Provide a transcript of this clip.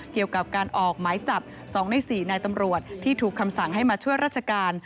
เกี่ยวกับการออกหมายจับ๒ใน๔นายตำรวจที่ถูกคำสั่งให้มาช่วยราชการ